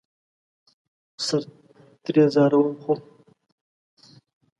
سر ترې ځاروم ،خو